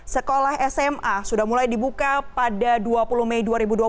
sekolah sma sudah mulai dibuka pada dua puluh mei dua ribu dua puluh